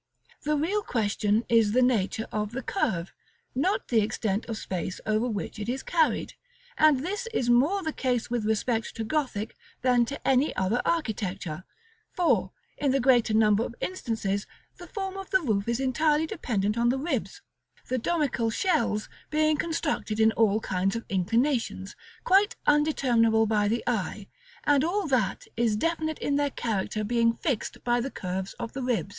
The real question is the nature of the curve, not the extent of space over which it is carried: and this is more the case with respect to Gothic than to any other architecture; for, in the greater number of instances, the form of the roof is entirely dependent on the ribs; the domical shells being constructed in all kinds of inclinations, quite undeterminable by the eye, and all that is definite in their character being fixed by the curves of the ribs.